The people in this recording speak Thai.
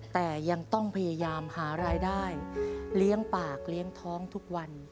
แต่ยังต้องพยายามหารายได้เลี้ยงปากเลี้ยงท้องทุกวัน